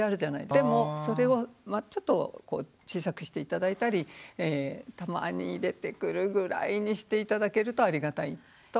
でもそれをちょっと小さくして頂いたりたまに出てくるぐらいにして頂けるとありがたいということです。